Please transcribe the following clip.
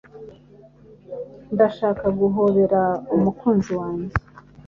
Ndashaka guhobera umukunzi wanjye